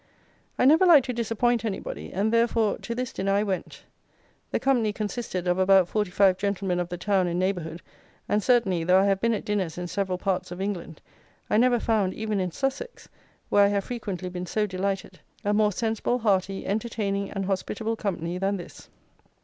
I never like to disappoint anybody; and, therefore, to this dinner I went. The company consisted of about forty five gentlemen of the town and neighbourhood; and, certainly, though I have been at dinners in several parts of England, I never found, even in Sussex, where I have frequently been so delighted, a more sensible, hearty, entertaining, and hospitable company than this.